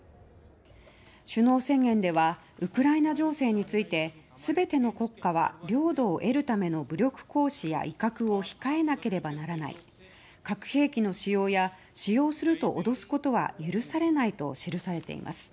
首脳宣言ではウクライナ情勢について全ての国家は領土を得るための武力行使や威嚇を控えなければならない核兵器の使用や使用すると脅すことは許されないと記されています。